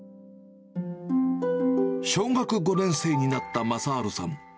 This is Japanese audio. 小学５年生になった雅治さん。